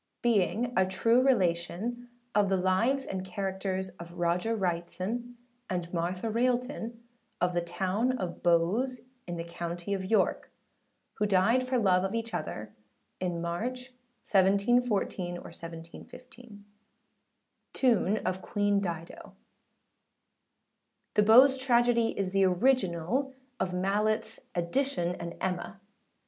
Being a true relation of the Lives and Characters of ROGER WRIGHTSON and MARTHA RAILTON, of the Town of Bowes, in the County of York, who died for love of each other, in March, 1714/5 Tune of Queen Dido. [The Bowes Tragedy is the original of Malletâs Edition and Emma.